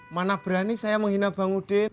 mana berani saya menghina bang udin